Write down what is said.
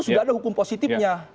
sudah ada hukum positifnya